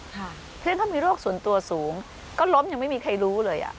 เพราะฉะนั้นก็มีโรคส่วนตัวสูงก็ล้มยังไม่มีใครรู้เลย